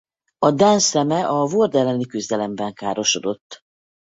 A dán szeme a Ward elleni küzdelemben károsodott.